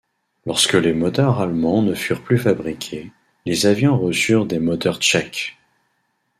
Lorsque les moteurs allemands ne furent plus fabriqués, les avions reçurent des moteurs tchèques.